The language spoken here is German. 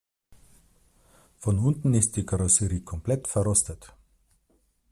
Von unten ist die Karosserie komplett verrostet.